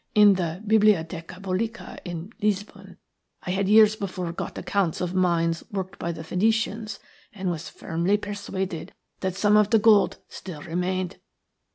In the 'Bibliotheca Publica' in Lisbon I had years before got accounts of mines worked by the Phœnicians, and was firmly persuaded that some of the gold still remained.